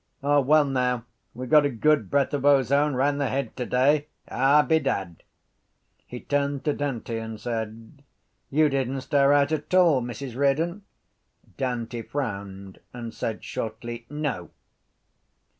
O, well now, we got a good breath of ozone round the Head today. Ay, bedad. He turned to Dante and said: —You didn’t stir out at all, Mrs Riordan? Dante frowned and said shortly: —No.